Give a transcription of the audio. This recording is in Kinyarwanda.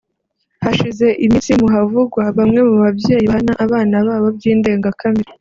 Hashize iminsi mu havugwa bamwe mu babyeyi bahana abana babo by’indengakamere